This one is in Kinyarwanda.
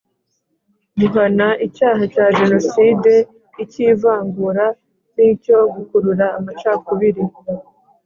Guhana icyaha cya jenoside icy’ivangura n’icyo gukurura amacakubiri